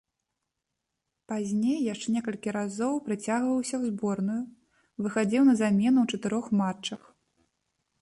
Пазней яшчэ некалькі разоў прыцягваўся ў зборную, выхадзіў на замену ў чатырох матчах.